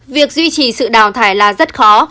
việc duy trì sự đào thải là rất khó